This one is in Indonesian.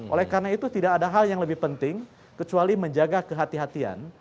oleh karena itu tidak ada hal yang lebih penting kecuali menjaga kehatian